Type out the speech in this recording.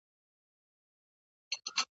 د همدې خرقې په زور پهلوانان وه ,